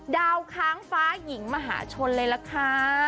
ค้างฟ้าหญิงมหาชนเลยล่ะค่ะ